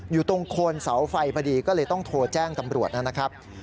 อยู่ตรงโคนเสาไฟพอดีก็เลยต้องโทรแจ้งตำรวจนะครับ